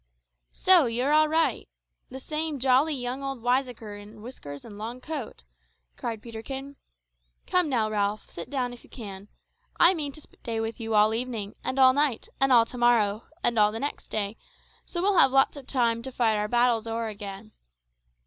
"So, you're all right the same jolly, young old wiseacre in whiskers and long coat," cried Peterkin. "Come now, Ralph, sit down if you can. I mean to stay with you all evening, and all night, and all to morrow, and all next day, so we'll have lots of time to fight our battles o'er again.